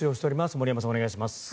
森山さん、お願いします。